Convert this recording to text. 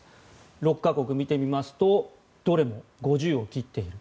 ６か国を見てみますとどれも５０を切っている。